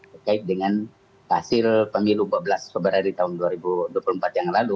terkait dengan hasil pemilu dua belas februari tahun dua ribu dua puluh empat yang lalu